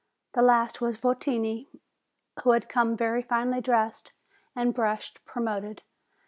The last was Votini, who had come very finely dressed and brushed, promoted.